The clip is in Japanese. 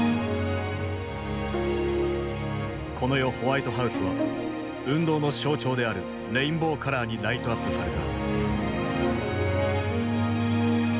この夜ホワイトハウスは運動の象徴であるレインボーカラーにライトアップされた。